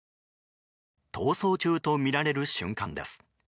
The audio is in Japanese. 逃走中とみられる瞬間です。